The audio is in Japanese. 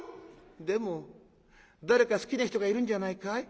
「でも誰か好きな人がいるんじゃないかい？」。